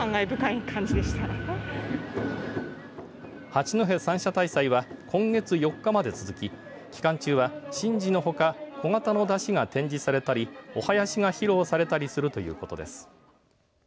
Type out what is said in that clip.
八戸三社大祭は今月４日まで続き期間中は神事のほか小型の山車が展示されたりお囃子が披露されたりするということです。